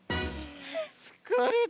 つかれた。